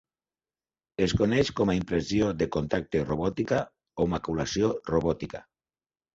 Es coneix com a impressió de contacte robòtica o maculació robòtica.